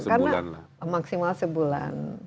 sebulan lah maksimal sebulan